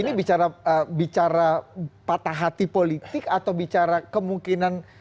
ini bicara patah hati politik atau bicara kemungkinan